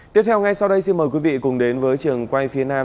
tiếp theo ngay sau đây xin mời quý vị cùng đến với trường quay phía nam